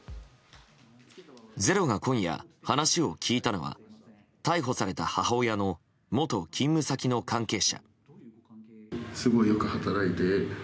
「ｚｅｒｏ」が今夜話を聞いたのは逮捕された母親の元勤務先の関係者。